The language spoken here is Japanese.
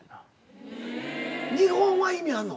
日本は意味あんの？